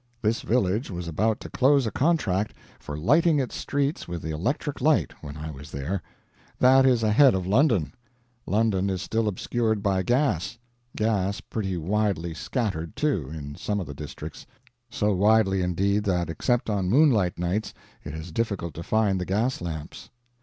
This village was about to close a contract for lighting its streets with the electric light, when I was there. That is ahead of London. London is still obscured by gas gas pretty widely scattered, too, in some of the districts; so widely indeed, that except on moonlight nights it is difficult to find the gas lamps.